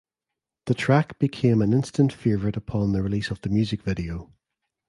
The track became an instant favorite upon the release of the music video.